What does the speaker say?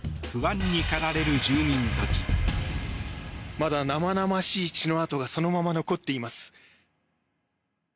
まだ生々しい血の跡がそのまま残っています。